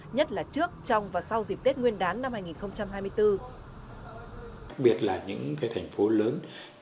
nhất là trước trong và sau dịp tết nguyên đán năm hai nghìn hai mươi bốn